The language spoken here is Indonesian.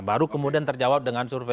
baru kemudian terjawab dengan survei